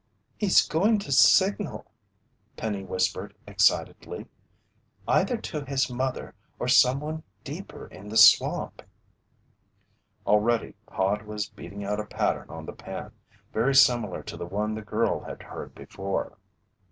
"He's going to signal!" Penny whispered excitedly. "Either to his mother, or someone deeper in the swamp!" Already Hod was beating out a pattern on the pan, very similar to the one the girl had heard before.